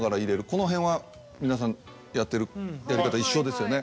このへんは皆さんやってるやり方一緒ですよね。